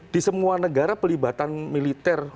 di semua negara pelibatan militer